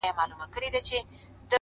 • خوله خوله یمه خوږیږي مي د پښو هډونه ,